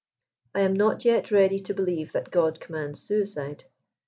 I am not yet ready to believe that God commands suicide.